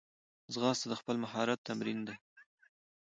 ځغاسته د خپل مهارت تمرین دی